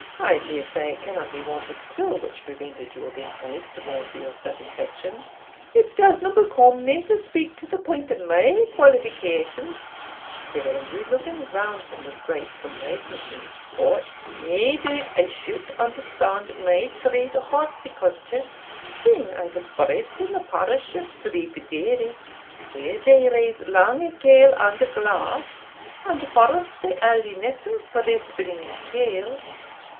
I dare say it cannot be want of skill which prevented your being placed more to your satisfaction." "It disna become me to speak to the point of my qualifications," said Andrew, looking round him with great complacency; "but nae doubt I should understand my trade of horticulture, seeing I was bred in the parish of Dreepdaily, where they raise lang kale under glass, and force the early nettles for their spring kale.